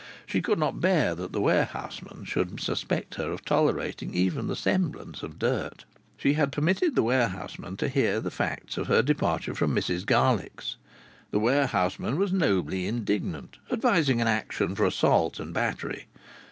She could not bear that the warehouseman should suspect her of tolerating even the semblances of dirt. She had permitted the warehouseman to hear the facts of her departure from Mrs Garlick's. The warehouseman was nobly indignant, advising an action for assault and battery.